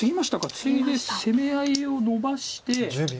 ツイで攻め合いをのばして。